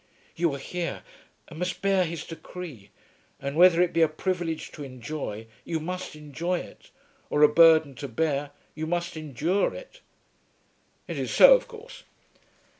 You are here and must bear his decree; and whether it be a privilege to enjoy, you must enjoy it, or a burden to bear, you must endure it." "It is so of course."